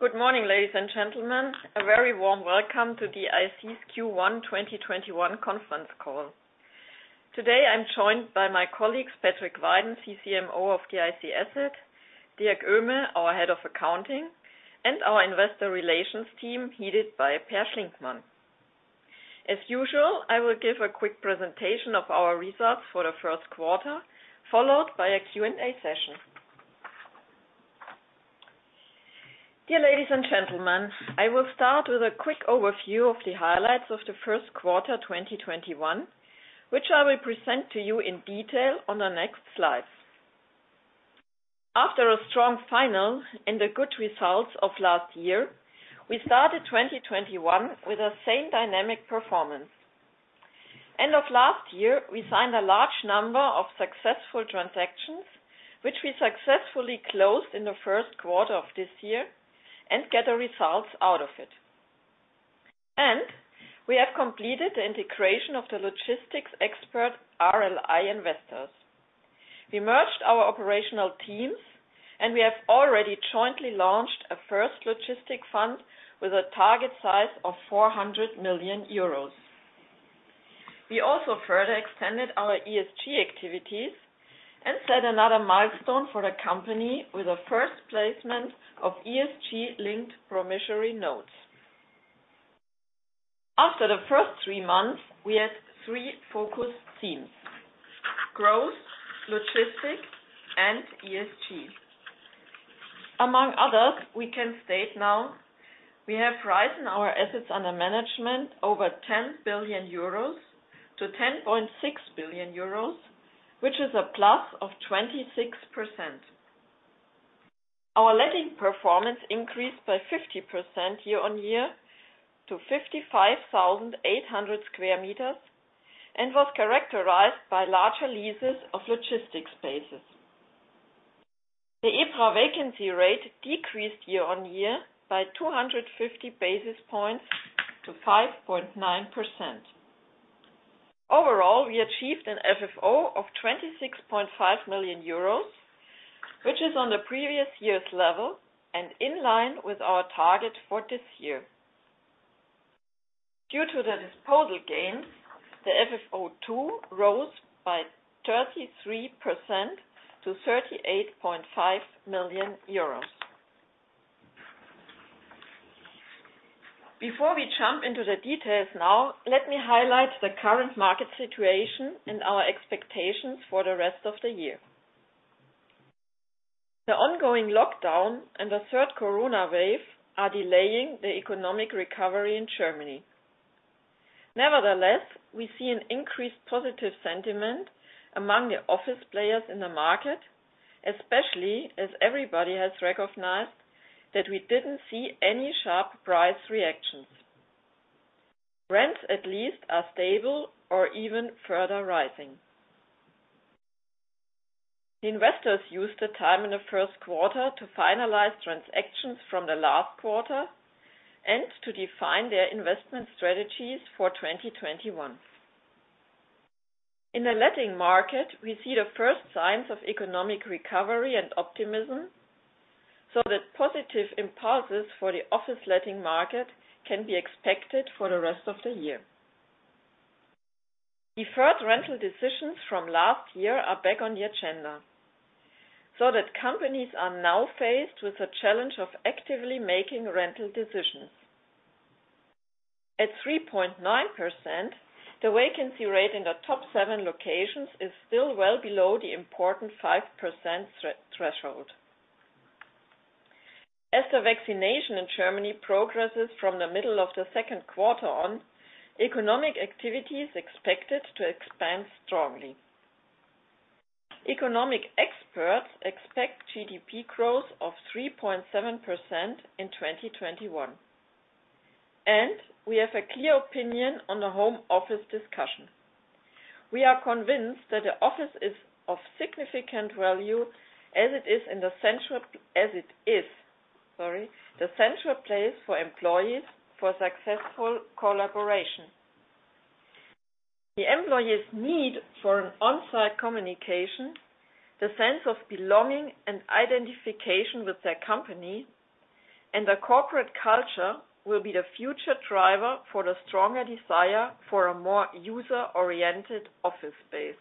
Good morning, ladies and gentlemen. A very warm welcome to Branicks Group's Q1 2021 conference call. Today, I'm joined by my colleagues Patrick Weiden, CCMO of DIC Asset, Dirk Oehme, our Head of Accounting, and our investor relations team headed by Peer Schlinkmann. As usual, I will give a quick presentation of our results for the first quarter, followed by a Q&A session. Dear ladies and gentlemen, I will start with a quick overview of the highlights of the first quarter 2021, which I will present to you in detail on the next slide. After a strong final in the good results of last year, we started 2021 with the same dynamic performance. End of last year, we signed a large number of successful transactions, which we successfully closed in the first quarter of this year and get the results out of it. We have completed the integration of the logistics expert RLI Investors. We merged our operational teams, and we have already jointly launched a first logistic fund with a target size of 400 million euros. We also further extended our ESG activities and set another milestone for the company with the first placement of ESG-linked promissory notes. After the first three months, we had three focus themes: growth, logistics, and ESG. Among others, we can state now we have risen our assets under management over 10 billion euros to 10.6 billion euros, which is a plus of 26%. Our letting performance increased by 50% year-on-year to 55,800 sq m, and was characterized by larger leases of logistics spaces. The EPRA vacancy rate decreased year-on-year by 250 basis points to 5.9%. Overall, we achieved an FFO of 26.5 million euros, which is on the previous year's level and in line with our target for this year. Due to the disposal gains, the FFO II rose by 33% to EUR 38.5 million. Before we jump into the details now, let me highlight the current market situation and our expectations for the rest of the year. The ongoing lockdown and the third corona wave are delaying the economic recovery in Germany. Nevertheless, we see an increased positive sentiment among the office players in the market, especially as everybody has recognized that we didn't see any sharp price reactions. Rents at least are stable or even further rising. The investors used the time in the first quarter to finalize transactions from the last quarter and to define their investment strategies for 2021. In the letting market, we see the first signs of economic recovery and optimism, positive impulses for the office letting market can be expected for the rest of the year. Deferred rental decisions from last year are back on the agenda, companies are now faced with the challenge of actively making rental decisions. At 3.9%, the vacancy rate in the top seven locations is still well below the important 5% threshold. As the vaccination in Germany progresses from the middle of the second quarter on, economic activity is expected to expand strongly. Economic experts expect GDP growth of 3.7% in 2021. We have a clear opinion on the home office discussion. We are convinced that the office is of significant value, as it is the central place for employees for successful collaboration. The employees need for an on-site communication, the sense of belonging and identification with their company, and the corporate culture will be the future driver for the stronger desire for a more user-oriented office space.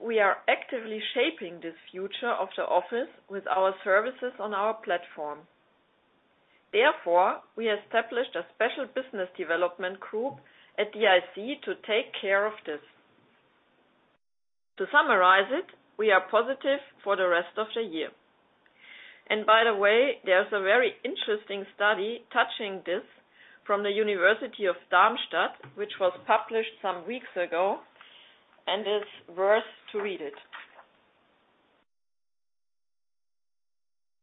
We are actively shaping this future of the office with our services on our platform. We established a special business development group at DIC to take care of this. To summarize it, we are positive for the rest of the year. By the way, there's a very interesting study touching this from the University of Darmstadt, which was published some weeks ago, and it's worth to read it.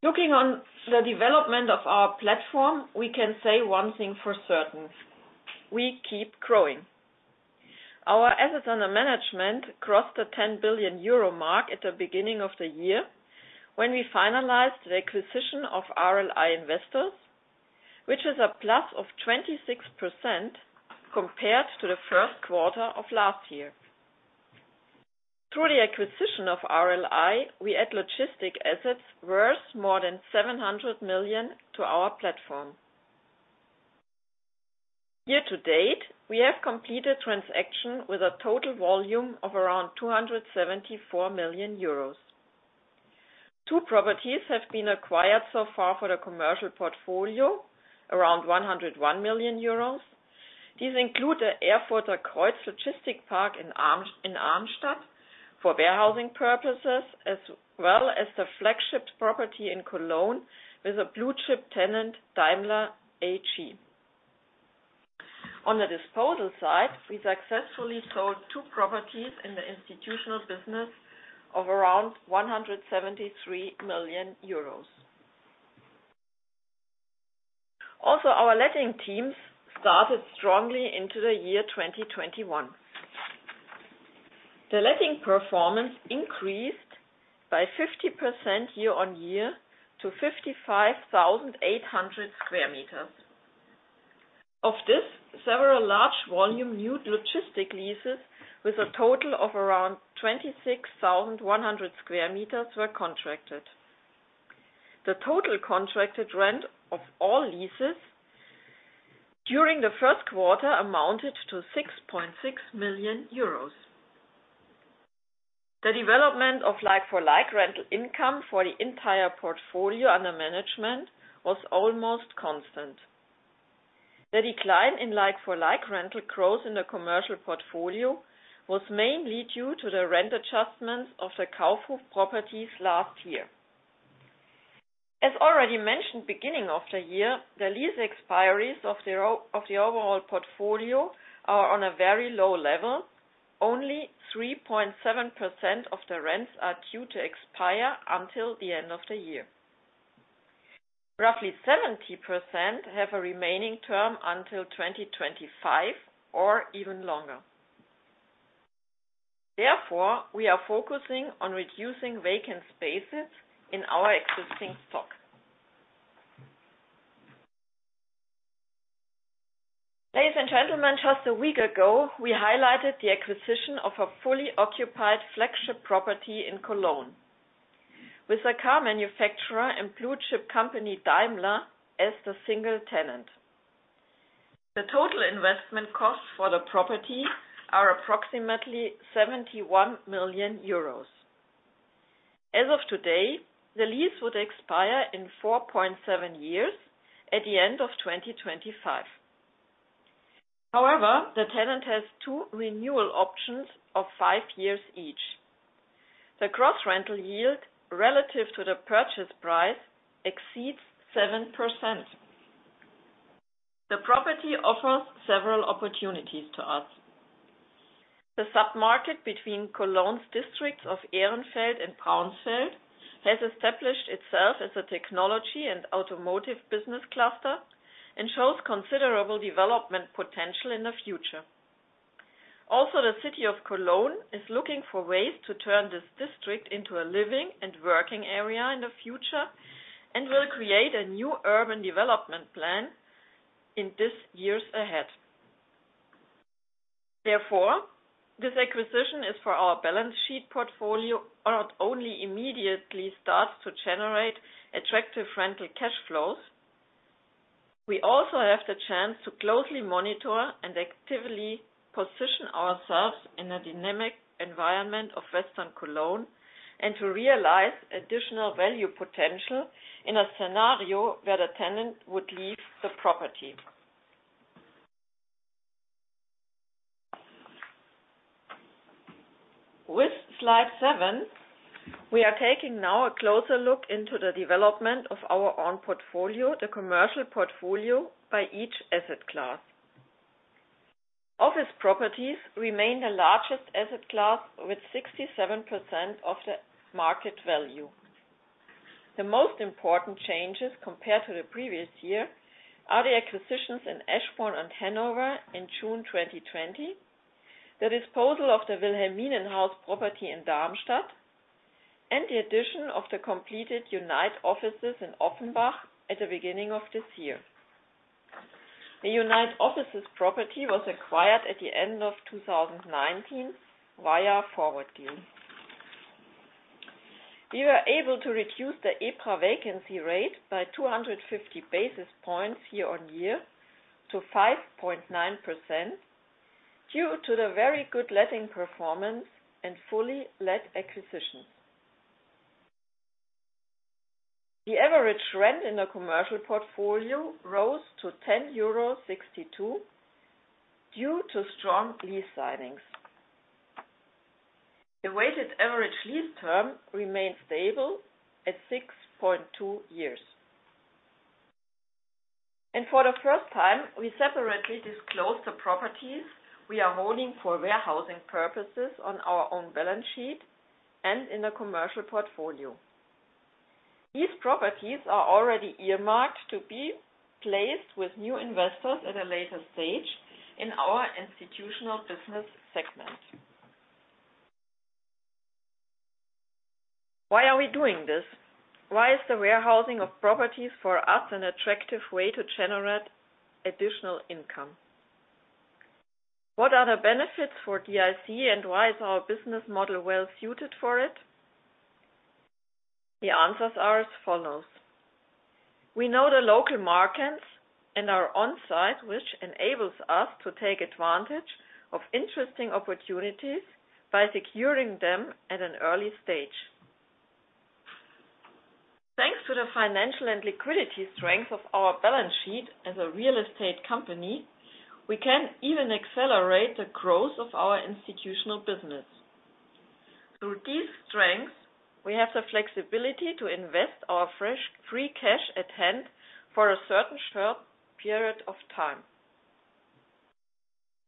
Looking on the development of our platform, we can say one thing for certain: We keep growing. Our assets under management crossed the 10 billion euro mark at the beginning of the year when we finalized the acquisition of RLI Investors, which is a plus of 26% compared to the first quarter of last year. Through the acquisition of RLI, we add logistic assets worth more than 700 million to our platform. Year-to-date, we have completed transaction with a total volume of around 274 million euros. Two properties have been acquired so far for the commercial portfolio, around 101 million euros. These include the Erfurter Kreuz logistic park in Arnstadt for warehousing purposes, as well as the flagship property in Cologne with a blue chip tenant, Daimler AG. On the disposal side, we successfully sold two properties in the institutional business of around 173 million euros. Our letting teams started strongly into the year 2021. The letting performance increased by 50% year-on-year to 55,800 sq m. Of this, several large volume new logistic leases with a total of around 26,100 sq m were contracted. The total contracted rent of all leases during the first quarter amounted to 6.6 million euros. The development of like-for-like rental income for the entire portfolio under management was almost constant. The decline in like-for-like rental growth in the commercial portfolio was mainly due to the rent adjustments of the Kaufhof properties last year. As already mentioned, beginning of the year, the lease expiries of the overall portfolio are on a very low level. Only 3.7% of the rents are due to expire until the end of the year. Roughly 70% have a remaining term until 2025 or even longer. Therefore, we are focusing on reducing vacant spaces in our existing stock. Ladies and gentlemen, just a week ago, we highlighted the acquisition of a fully occupied flagship property in Cologne with a car manufacturer and blue chip company, Daimler, as the single tenant. The total investment costs for the property are approximately 71 million euros. As of today, the lease would expire in 4.7 years at the end of 2025. However, the tenant has two renewal options of five years each. The gross rental yield relative to the purchase price exceeds 7%. The property offers several opportunities to us. The sub-market between Cologne's districts of Ehrenfeld and Braunsfeld has established itself as a technology and automotive business cluster and shows considerable development potential in the future. Also, the City of Cologne is looking for ways to turn this district into a living and working area in the future and will create a new urban development plan in this years ahead. Therefore, this acquisition is for our balance sheet portfolio, not only immediately starts to generate attractive rental cash flows, we also have the chance to closely monitor and actively position ourselves in a dynamic environment of Western Cologne and to realize additional value potential in a scenario where the tenant would leave the property. With slide seven, we are taking now a closer look into the development of our own portfolio, the commercial portfolio by each asset class. Office properties remain the largest asset class with 67% of the market value. The most important changes compared to the previous year are the acquisitions in Eschborn and Hanover in June 2020, the disposal of the Wilhelminenhaus property in Darmstadt, and the addition of the completed Unite Offices in Offenbach at the beginning of this year. The Unite Offices property was acquired at the end of 2019 via forward deal. We were able to reduce the EPRA vacancy rate by 250 basis points year-on-year to 5.9% due to the very good letting performance and fully let acquisitions. The average rent in the commercial portfolio rose to 10.62 euro due to strong lease signings. The weighted average lease term remained stable at 6.2 years. For the first time, we separately disclose the properties we are holding for warehousing purposes on our own balance sheet and in the commercial portfolio. These properties are already earmarked to be placed with new investors at a later stage in our institutional business segment. Why are we doing this? Why is the warehousing of properties for us an attractive way to generate additional income? What are the benefits for DIC and why is our business model well-suited for it? The answers are as follows. We know the local markets and are on-site, which enables us to take advantage of interesting opportunities by securing them at an early stage. Thanks to the financial and liquidity strength of our balance sheet as a real estate company, we can even accelerate the growth of our institutional business. Through these strengths, we have the flexibility to invest our fresh free cash at hand for a certain short period of time.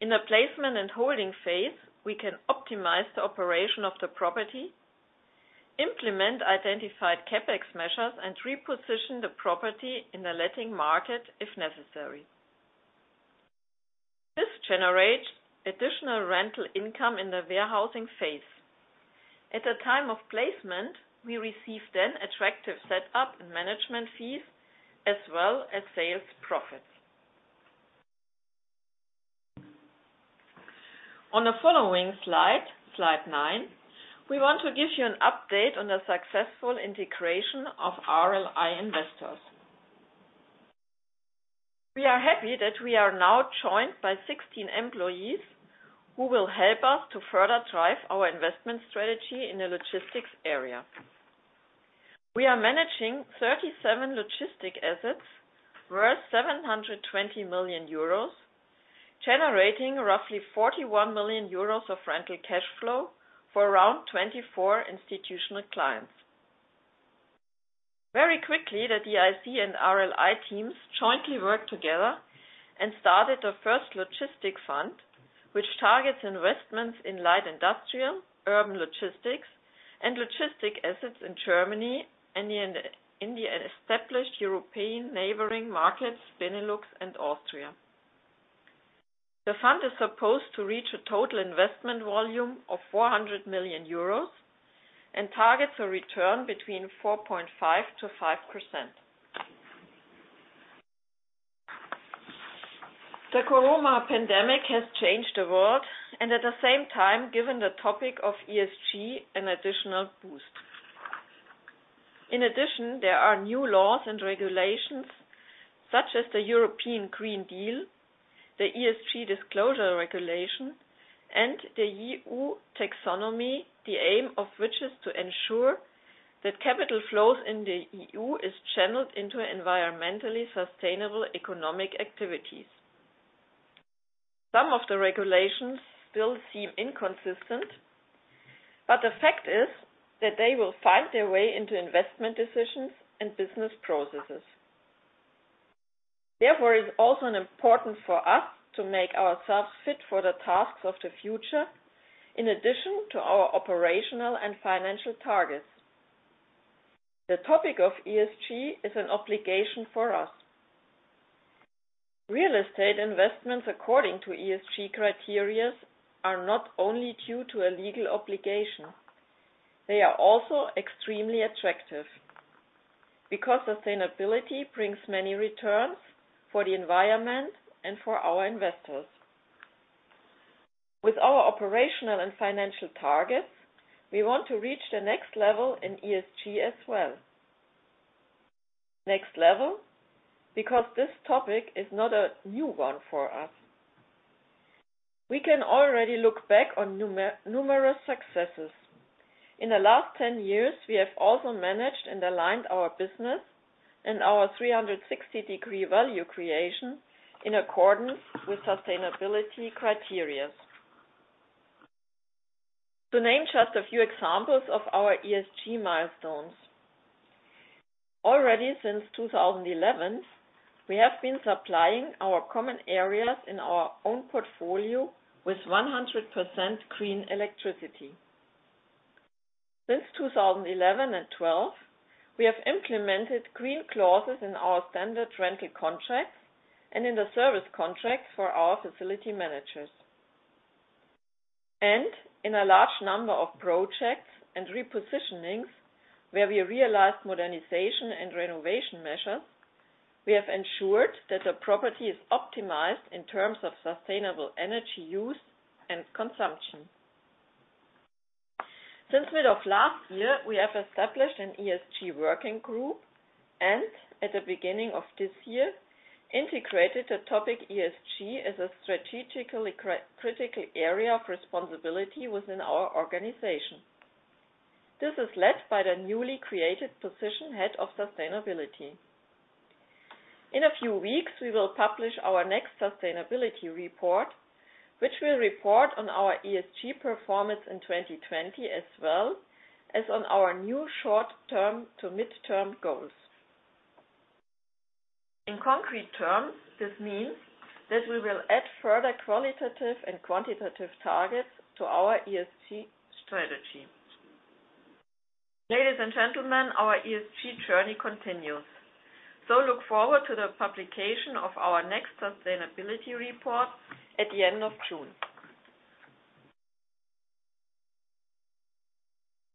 In the placement and holding phase, we can optimize the operation of the property, implement identified CapEx measures, and reposition the property in the letting market if necessary. This generates additional rental income in the warehousing phase. At the time of placement, we receive then attractive setup and management fees, as well as sales profits. On the following slide nine, we want to give you an update on the successful integration of RLI Investors. We are happy that we are now joined by 16 employees who will help us to further drive our investment strategy in the logistics area. We are managing 37 logistic assets worth 720 million euros, generating roughly 41 million euros of rental cash flow for around 24 institutional clients. Very quickly, the DIC and RLI teams jointly worked together and started the first logistic fund, which targets investments in light industrial, urban logistics, and logistic assets in Germany and in the established European neighboring markets, Benelux and Austria. The fund is supposed to reach a total investment volume of 400 million euros and targets a return between 4.5%-5%. The Corona pandemic has changed the world and at the same time given the topic of ESG an additional boost. In addition, there are new laws and regulations such as the European Green Deal, the ESG Disclosure Regulation, and the EU Taxonomy, the aim of which is to ensure that capital flows in the EU is channeled into environmentally sustainable economic activities. Some of the regulations still seem inconsistent, but the fact is that they will find their way into investment decisions and business processes. Therefore, it is also important for us to make ourselves fit for the tasks of the future in addition to our operational and financial targets. The topic of ESG is an obligation for us. Real estate investments according to ESG criterias are not only due to a legal obligation. They are also extremely attractive because sustainability brings many returns for the environment and for our investors. With our operational and financial targets, we want to reach the next level in ESG as well. Next level because this topic is not a new one for us, we can already look back on numerous successes. In the last 10 years, we have also managed and aligned our business and our 360-degree value creation in accordance with sustainability criteria. To name just a few examples of our ESG milestones. Already since 2011, we have been supplying our common areas in our own portfolio with 100% clean electricity. Since 2011 and 2012, we have implemented green clauses in our standard rental contracts and in the service contracts for our facility managers. In a large number of projects and repositionings where we realized modernization and renovation measures, we have ensured that the property is optimized in terms of sustainable energy use and consumption. Since mid-last year, we have established an ESG working group and at the beginning of this year, integrated the topic ESG as a strategically critical area of responsibility within our organization. This is led by the newly created position, Head of Sustainability. In a few weeks, we will publish our next sustainability report, which will report on our ESG performance in 2020, as well as on our new short-term to mid-term goals. In concrete terms, this means that we will add further qualitative and quantitative targets to our ESG strategy. Ladies and gentlemen, our ESG journey continues, so look forward to the publication of our next sustainability report at the end of June.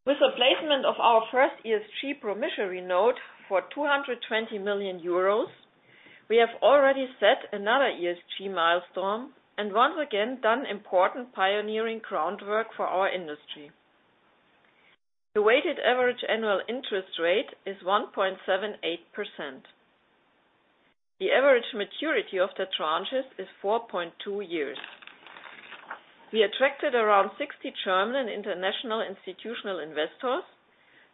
With the placement of our first ESG promissory note for 220 million euros, we have already set another ESG milestone, and once again, done important pioneering groundwork for our industry. The weighted average annual interest rate is 1.78%. The average maturity of the tranches is 4.2 years. We attracted around 60 German and international institutional investors,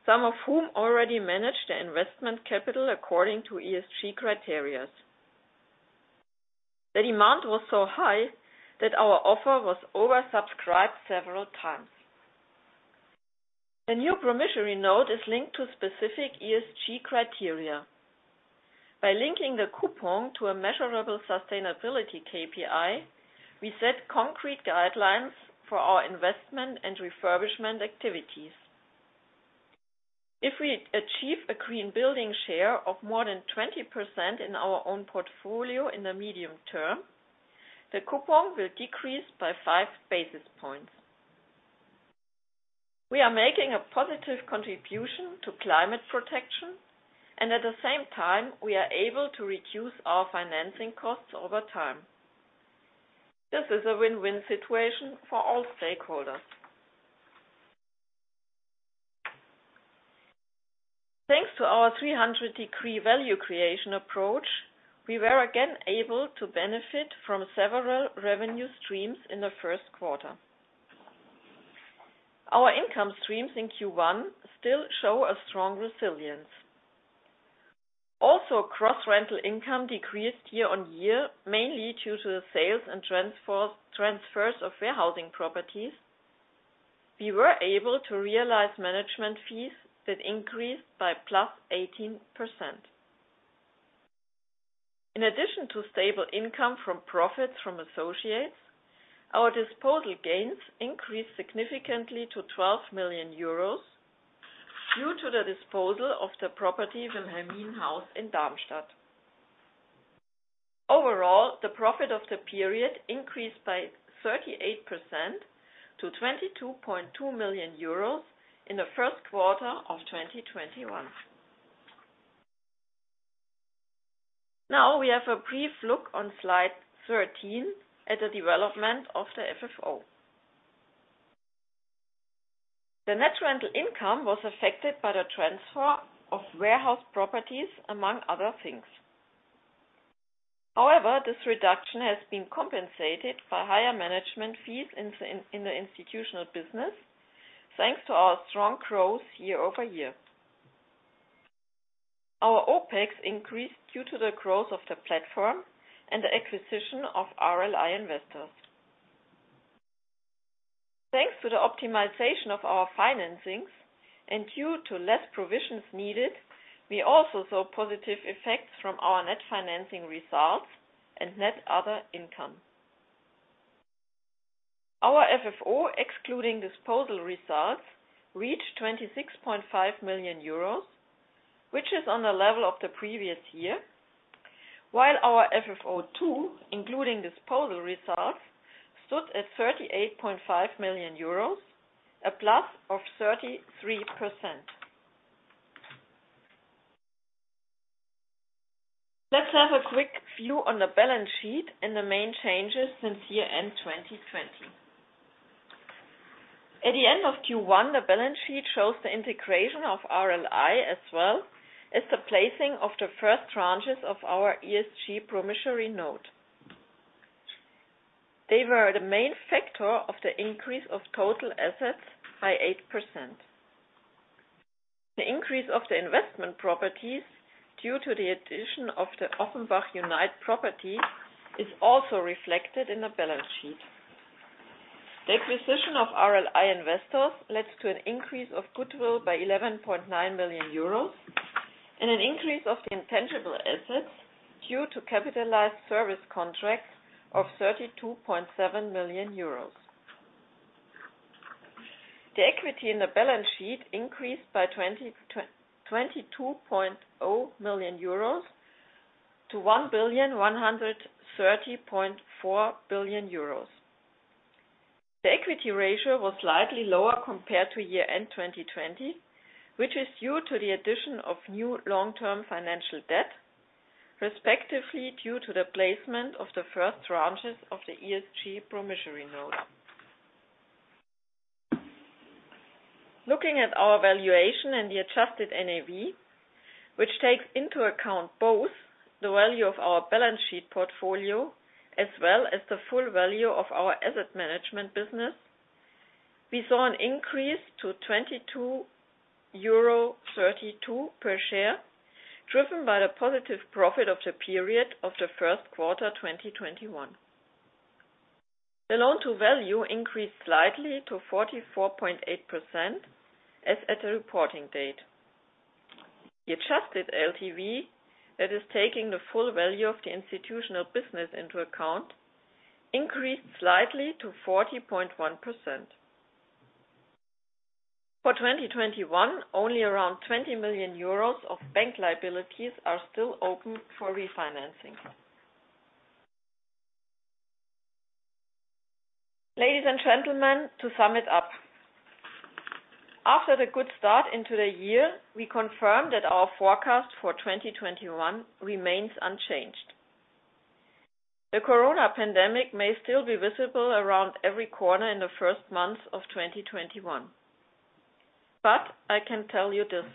some of whom already managed their investment capital according to ESG criteria. The demand was so high that our offer was oversubscribed several times. The new promissory note is linked to specific ESG criteria. By linking the coupon to a measurable sustainability KPI, we set concrete guidelines for our investment and refurbishment activities. If we achieve a green building share of more than 20% in our own portfolio in the medium term, the coupon will decrease by 5 basis points. We are making a positive contribution to climate protection, and at the same time, we are able to reduce our financing costs over time. This is a win-win situation for all stakeholders. Thanks to our 360-degree value creation approach, we were again able to benefit from several revenue streams in the first quarter. Our income streams in Q1 still show a strong resilience. Also, gross rental income decreased year-on-year, mainly due to the sales and transfers of warehousing properties. We were able to realize management fees that increased by +18%. In addition to stable income from profits from associates, our disposal gains increased significantly to 12 million euros due to the disposal of the property Wilhelminenhaus in Darmstadt. Overall, the profit of the period increased by 38% to 22.2 million euros in the first quarter of 2021. Now we have a brief look on slide 13 at the development of the FFO. The net rental income was affected by the transfer of warehouse properties, among other things. However, this reduction has been compensated by higher management fees in the institutional business, thanks to our strong growth year-over-year. Our OpEx increased due to the growth of the platform and the acquisition of RLI Investors. Thanks to the optimization of our financings and due to less provisions needed, we also saw positive effects from our net financing results and net other income. Our FFO, excluding disposal results, reached 26.5 million euros, which is on the level of the previous year, while our FFO 2, including disposal results, stood at 38.5 million euros, a plus of 33%. Let's have a quick view on the balance sheet and the main changes since year-end 2020. At the end of Q1, the balance sheet shows the integration of RLI as well as the placing of the first tranches of our ESG promissory note. They were the main factor of the increase of total assets by 8%. The increase of the investment properties due to the addition of the Offenbach Unite property is also reflected in the balance sheet. The acquisition of RLI Investors led to an increase of goodwill by 11.9 million euros and an increase of the intangible assets due to capitalized service contracts of EUR 32.7 million. The equity in the balance sheet increased by 22.0 million euros to EUR 1.130.4 billion. The equity ratio was slightly lower compared to year end 2020, which is due to the addition of new long-term financial debt, respectively due to the placement of the first tranches of the ESG promissory note. Looking at our valuation and the adjusted NAV, which takes into account both the value of our balance sheet portfolio as well as the full value of our asset management business, we saw an increase to 22.32 euro per share, driven by the positive profit of the period of the Q1 2021. The loan to value increased slightly to 44.8% as at the reporting date. The adjusted LTV that is taking the full value of the institutional business into account increased slightly to 40.1%. For 2021, only around 20 million euros of bank liabilities are still open for refinancing. Ladies and gentlemen, to sum it up, after the good start into the year, we confirm that our forecast for 2021 remains unchanged. The coronavirus pandemic may still be visible around every corner in the first months of 2021. I can tell you this: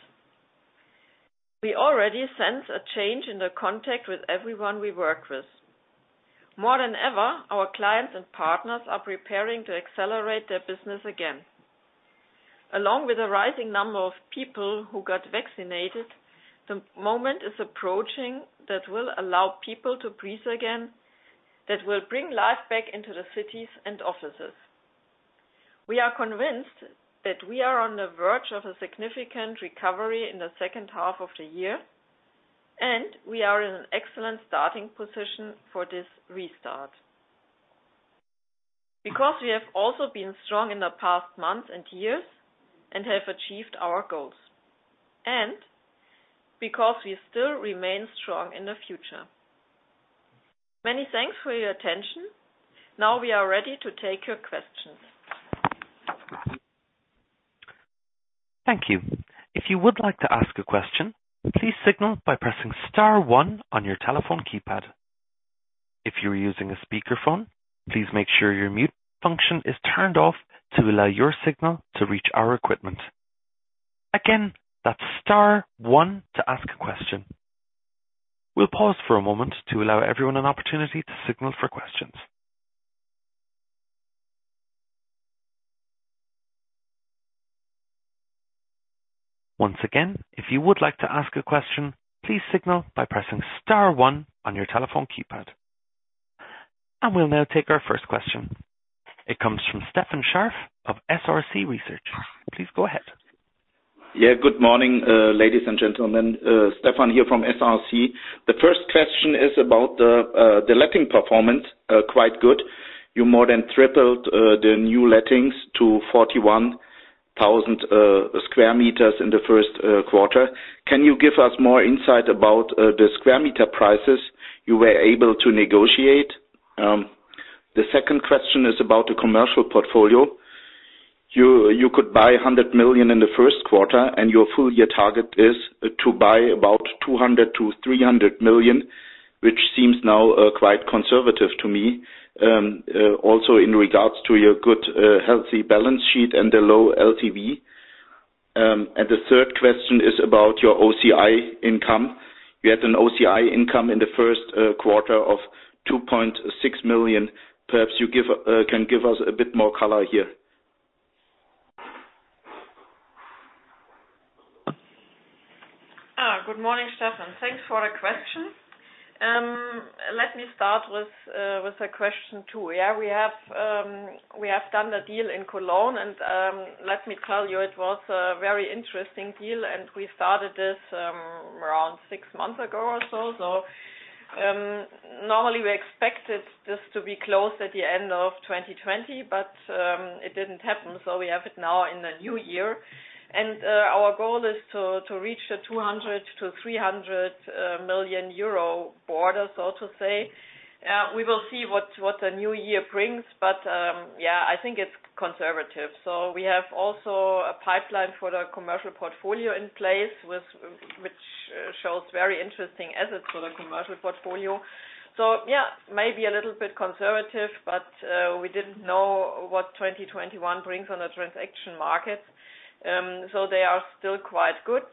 we already sense a change in the contact with everyone we work with. More than ever, our clients and partners are preparing to accelerate their business again. Along with a rising number of people who got vaccinated, the moment is approaching that will allow people to breathe again, that will bring life back into the cities and offices. We are convinced that we are on the verge of a significant recovery in the second half of the year, and we are in an excellent starting position for this restart. We have also been strong in the past months and years and have achieved our goals, and because we still remain strong in the future. Many thanks for your attention. Now we are ready to take your questions. Thank you. If you would like to ask a question, please signal by pressing star one on your telephone keypad. If you're using a speakerphone, please make sure your mute function is turned off to allow your signal to reach our equipment. Again, that's star one to ask a question. We'll pause for a moment to allow everyone an opportunity to signal for questions. Once again, if you would like to ask a question, please signal by pressing star one on your telephone keypad. We'll now take our first question. It comes from Stefan Scharff of SRC Research. Please go ahead. Good morning, ladies and gentlemen. Stefan here from SRC. The first question is about the letting performance, quite good. You more than tripled the new lettings to 41,000 sq m in the first quarter. Can you give us more insight about the square meter prices you were able to negotiate? The second question is about the commercial portfolio. You could buy 100 million in the first quarter. Your full year target is to buy about 200 million-300 million, which seems now quite conservative to me, also in regards to your good, healthy balance sheet and the low LTV. The third question is about your OCI income. You had an OCI income in the first quarter of 2.6 million. Perhaps you can give us a bit more color here. Good morning, Stefan. Thanks for the question. Let me start with question two. We have done the deal in Cologne, and let me tell you, it was a very interesting deal, and we started this around six months ago or so. Normally, we expected this to be closed at the end of 2020, but it didn't happen. We have it now in the new year. Our goal is to reach the 200 million-300 million euro border, so to say. We will see what the new year brings. I think it's conservative. We have also a pipeline for the commercial portfolio in place, which shows very interesting assets for the commercial portfolio. Maybe a little bit conservative, but we didn't know what 2021 brings on the transaction market. They are still quite good.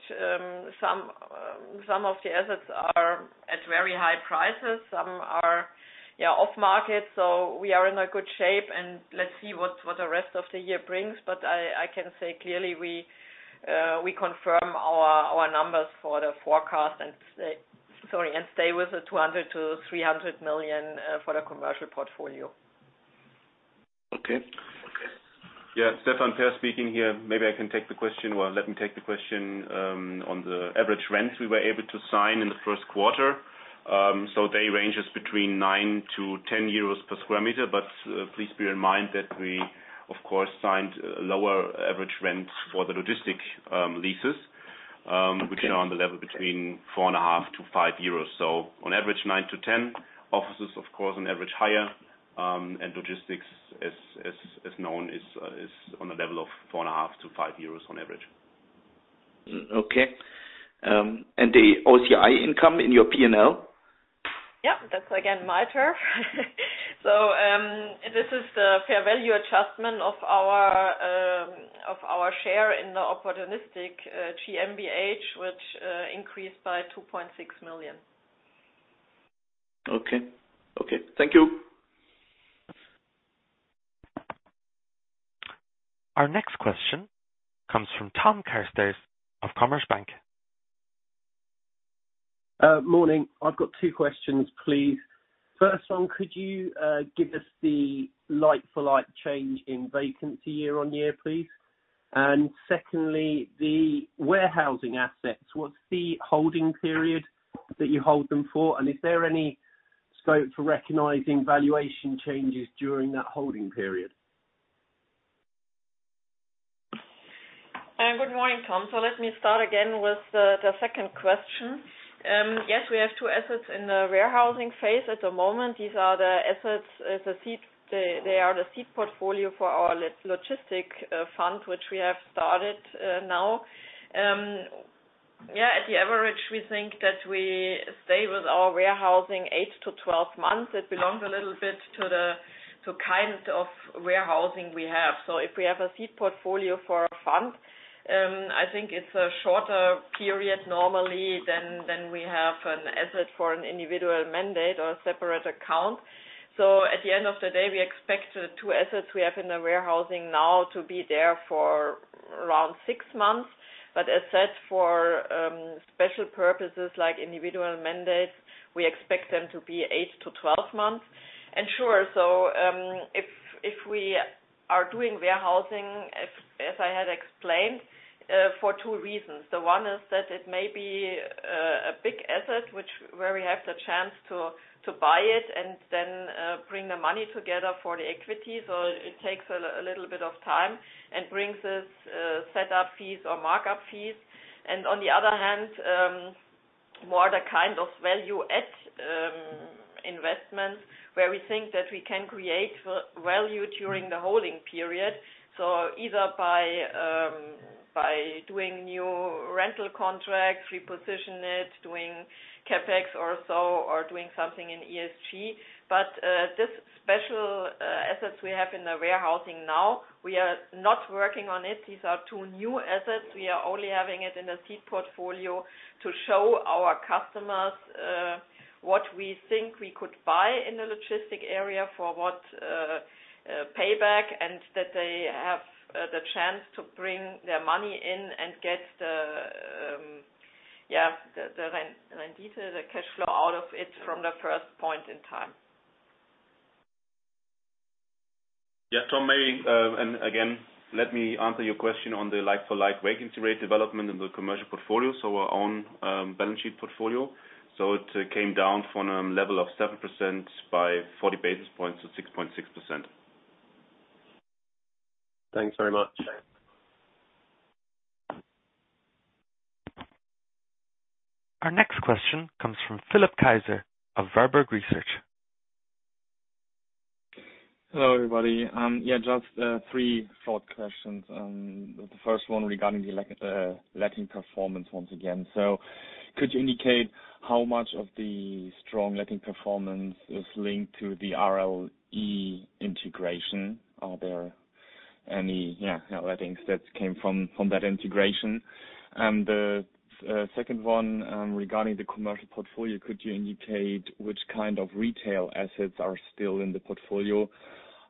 Some of the assets are at very high prices. Some are off market. We are in a good shape, and let's see what the rest of the year brings. I can say clearly, we confirm our numbers for the forecast and stay with the 200 million-300 million for the commercial portfolio. Okay. Yeah. Stefan, Peer speaking here. Maybe I can take the question. Well, let me take the question on the average rents we were able to sign in the first quarter. They range us between 9-10 euros per square meter. Please bear in mind that we, of course, signed lower average rents for the logistic leases, which are on the level between 4.5-5 euros. On average, 9-10. Offices, of course, on average, higher. Logistics, as known, is on a level of 4.5-5 euros on average. Okay. The OCI income in your P&L? Yeah. That's again, my turf. This is the fair value adjustment of our share in the opportunistic GmbH, which increased by 2.6 million. Okay. Thank you. Our next question comes from Tom Carstairs of Commerzbank. Morning. I've got two questions, please. First one, could you give us the like-for-like change in vacancy year-on-year, please? Secondly, warehousing assets, what's the holding period that you hold them for? Is there any scope for recognizing valuation changes during that holding period? Good morning, Tom. Let me start again with the second question. Yes, we have two assets in the warehousing phase at the moment. These are the assets, they are the seed portfolio for our logistic fund, which we have started now. On average, we think that we stay with our warehousing 8-12 months. It belongs a little bit to the kind of warehousing we have. If we have a seed portfolio for a fund, I think it's a shorter period normally than we have an asset for an individual mandate or a separate account. At the end of the day, we expect the two assets we have in the warehousing now to be there for around six months. Assets for special purposes like individual mandates, we expect them to be 8-12 months. Sure, if we are doing warehousing, as I had explained, for two reasons. One is that it may be a big asset, where we have the chance to buy it and then bring the money together for the equity. It takes a little bit of time and brings us set up fees or mark-up fees. On the other hand, more the kind of value add investments where we think that we can create value during the holding period. Either by doing new rental contracts, reposition it, doing CapEx or so, or doing something in ESG. This special assets we have in the warehousing now, we are not working on it. These are two new assets. We are only having it in the seed portfolio to show our customers what we think we could buy in the logistics area for what payback, and that they have the chance to bring their money in and get the rent yield, the cash flow out of it from the first point in time. Yeah, Tom, maybe, let me answer your question on the like-for-like vacancy rate development in the commercial portfolio, our own balance sheet portfolio. It came down from a level of 7% by 40 basis points to 6.6%. Thanks very much. Our next question comes from Philipp Kaiser of Warburg Research. Hello, everybody. Yeah, just three short questions. The first one regarding the letting performance once again. Could you indicate how much of the strong letting performance is linked to the RLI integration? Are there any lettings that came from that integration? The second one regarding the commercial portfolio, could you indicate which kind of retail assets are still in the portfolio?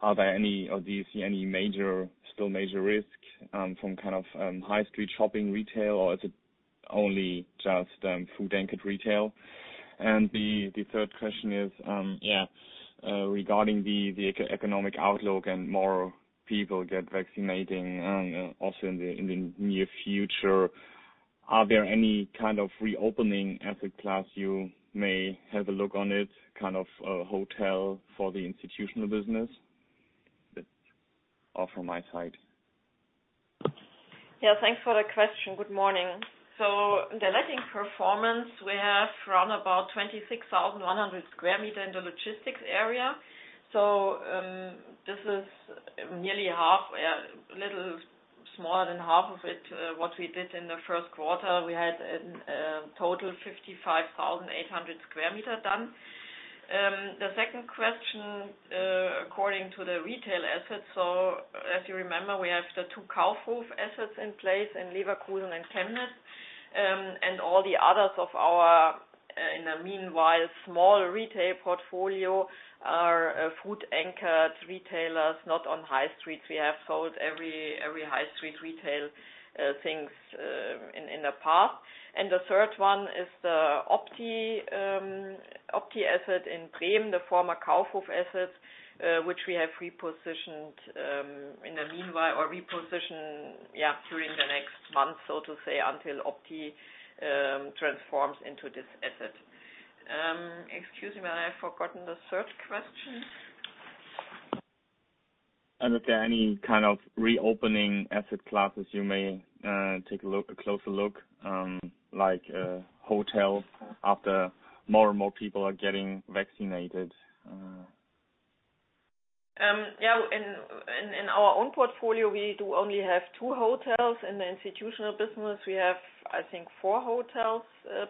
Are there any, or do you see any still major risk from high street shopping retail, or is it only just food anchored retail? The third question is regarding the economic outlook and more people get vaccinating also in the near future. Are there any kind of reopening asset class you may have a look on it, kind of a hotel for the institutional business? That's all from my side. Thanks for the question. Good morning. The letting performance we have around about 26,100 sq m in the logistics area. This is nearly half, a little smaller than half of it, what we did in the first quarter. We had a total 55,800 sq m done. The second question, according to the retail assets. As you remember, we have the two Kaufhof assets in place in Leverkusen and Chemnitz. All the others of our, in the meanwhile, small retail portfolio are food anchored retailers, not on high streets. We have sold every high street retail things in the past. The third one is the Opti asset in Bremen, the former Kaufhof asset, which we have repositioned in the meanwhile or reposition during the next month, so to say, until Opti transforms into this asset. Excuse me, I have forgotten the third question. If there are any kind of reopening asset classes you may take a closer look, like hotels after more and more people are getting vaccinated. Yeah, in our own portfolio, we do only have two hotels. In the institutional business, we have, I think, four hotels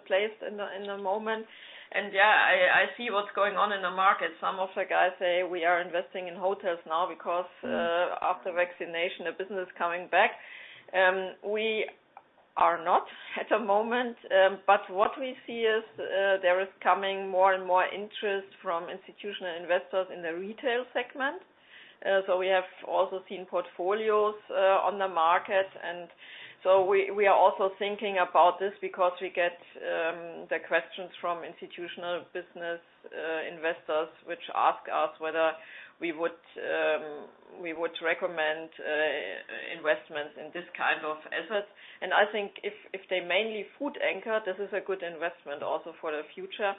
placed in the moment. Yeah, I see what's going on in the market. Some of the guys say we are investing in hotels now because, after vaccination, the business is coming back. We are not at the moment. What we see is, there is coming more and more interest from institutional investors in the retail segment. We have also seen portfolios on the market. We are also thinking about this because we get the questions from institutional business investors, which ask us whether we would recommend investments in this kind of assets. I think if they're mainly food anchored, this is a good investment also for the future.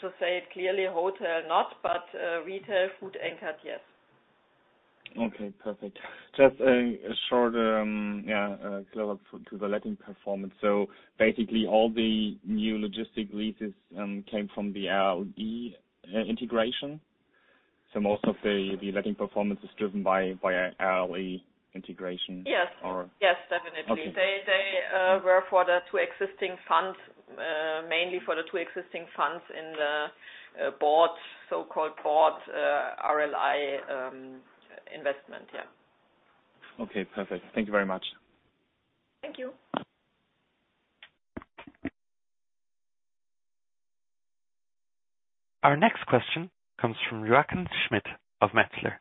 To say it clearly, hotel not, but retail food anchored, yes. Okay, perfect. Just a short follow-up to the letting performance. Basically all the new logistics leases came from the RLI integration. Most of the letting performance is driven by RLI integration. Yes, definitely. Okay. They were for the two existing funds, mainly for the two existing funds in the board, so-called board RLI Investors, yeah. Okay, perfect. Thank you very much. Thank you. Our next question comes from Jochen Schmitt of Metzler.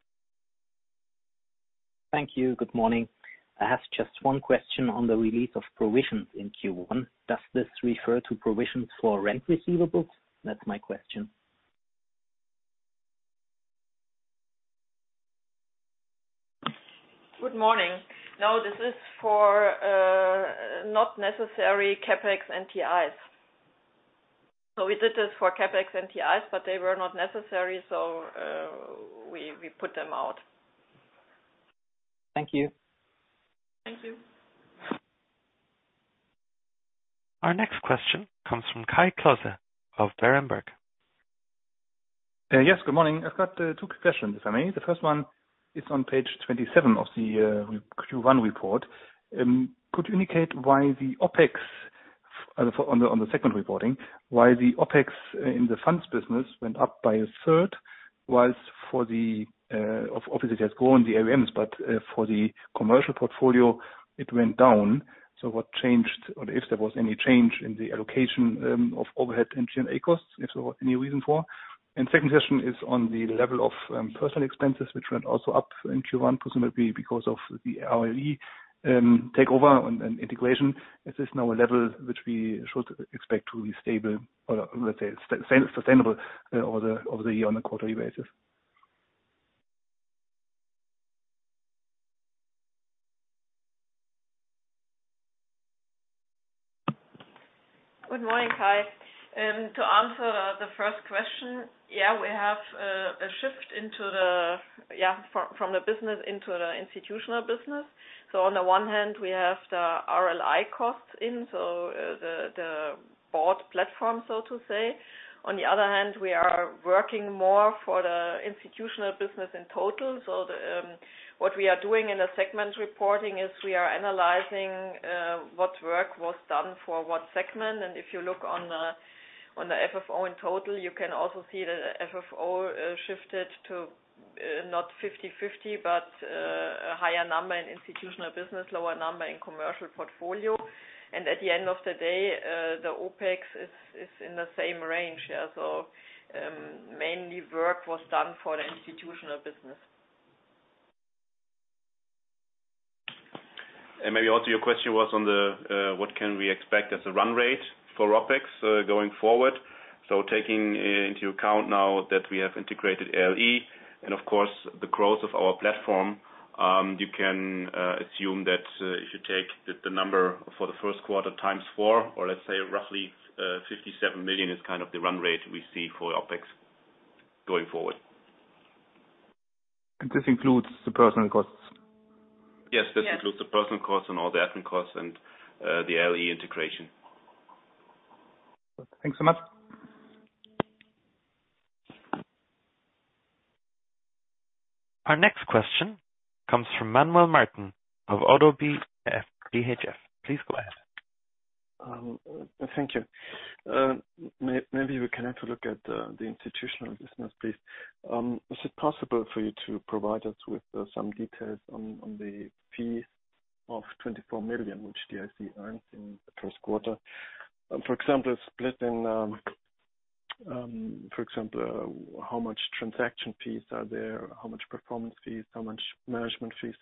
Thank you. Good morning. I have just one question on the release of provisions in Q1. Does this refer to provisions for rent receivables? That is my question. Good morning. This is for not necessary CapEx and TIs. We did this for CapEx NTIs, but they were not necessary, so we put them out. Thank you. Thank you. Our next question comes from Kai Klose of Berenberg. Yes, good morning. I've got two quick questions, if I may. The first one is on page 27 of the Q1 report. Could you indicate why the OpEx, on the segment reporting, why the OpEx in the funds business went up by a third, whilst for the Obviously, it has grown the AUMs, but for the commercial portfolio it went down. What changed or if there was any change in the allocation of overhead and G&A costs, if so, any reason for? Second question is on the level of personal expenses, which went also up in Q1, presumably because of the RLI takeover and integration. Is this now a level which we should expect to be stable or, let's say, sustainable over the year on a quarterly basis? Good morning, Kai. To answer the first question, we have a shift from the business into the institutional business. On the one hand, we have the RLI costs in, so the board platform, so to say. On the other hand, we are working more for the institutional business in total. What we are doing in the segment reporting is we are analyzing what work was done for what segment. If you look on the FFO in total, you can also see the FFO shifted to not 50/50, but a higher number in institutional business, lower number in commercial portfolio. At the end of the day, the OpEx is in the same range. Mainly work was done for the institutional business. Maybe also your question was on what can we expect as a run rate for OpEx going forward. Taking into account now that we have integrated RLI and of course, the growth of our platform, you can assume that if you take the number for the first quarter times four, or let's say roughly 57 million, is kind of the run rate we see for OpEx going forward. This includes the personal costs? Yes, this includes the personal costs and all the admin costs and the RLI integration. Thanks so much. Our next question comes from Manuel Martin of Oddo BHF. Please go ahead. Thank you. Maybe we can have a look at the institutional business, please. Is it possible for you to provide us with some details on the fee of 24 million, which DIC earned in the first quarter? For example, split in, for example, how much transaction fees are there, how much performance fees, how much management fees,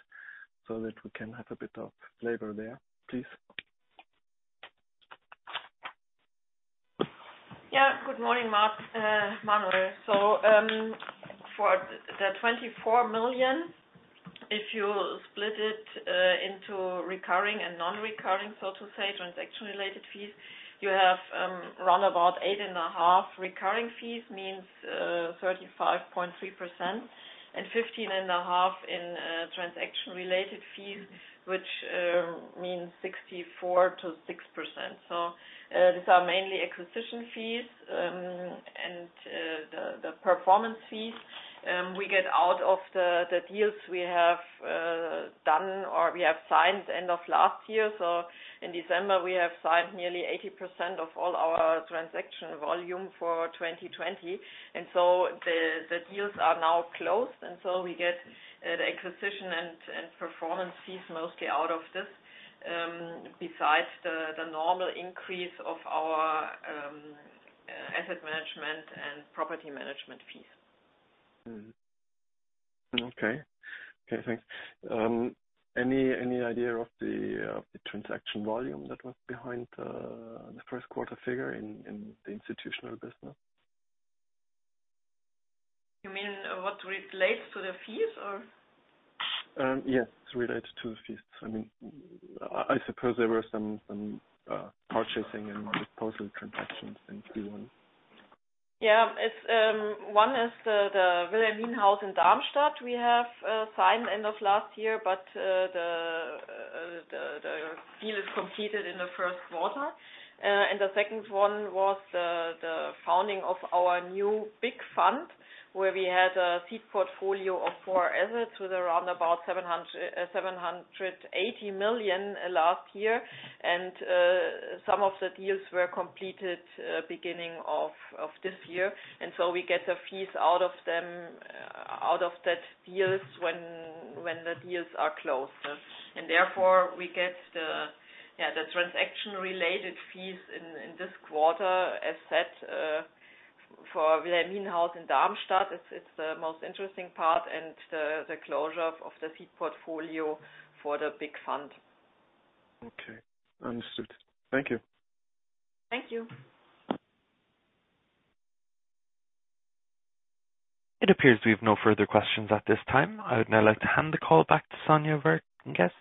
so that we can have a bit of flavor there, please. Good morning, Manuel. For the 24 million, if you split it into recurring and non-recurring, so to say, transaction related fees, you have round about 8.5 million recurring fees, means 35.3%, and 15.5 million in transaction related fees, which means 64% to 6%. These are mainly acquisition fees and the performance fees we get out of the deals we have done or we have signed end of last year. In December, we have signed nearly 80% of all our transaction volume for 2020. The deals are now closed, we get the acquisition and performance fees mostly out of this. Besides the normal increase of our asset management and property management fees. Okay, thanks. Any idea of the transaction volume that was behind the first quarter figure in the institutional business? You mean what relates to the fees or? Yes, related to the fees. I suppose there were some purchasing and disposal transactions in Q1. One is the Wilhelminenhaus in Darmstadt we have signed end of last year, the deal is completed in the first quarter. The second one was the founding of our new big fund where we had a seed portfolio of four assets with around about 780 million last year. Some of the deals were completed beginning of this year. We get the fees out of that deals when the deals are closed. Therefore we get the transaction related fees in this quarter, as said, for Wilhelminenhaus in Darmstadt, it's the most interesting part, and the closure of the seed portfolio for the big fund. Okay. Understood. Thank you. Thank you. It appears we have no further questions at this time. I would now like to hand the call back to Sonja Wärntges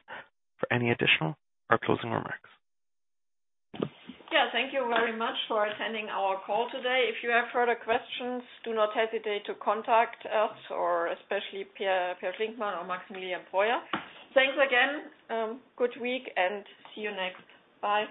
for any additional or closing remarks. Thank you very much for attending our call today. If you have further questions, do not hesitate to contact us or especially Peer Schlinkmann or Maximilian Breuer. Thanks again. Good week and see you next. Bye.